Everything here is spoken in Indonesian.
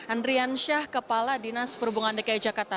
andrian syah kepala dinas perhubungan dki jakarta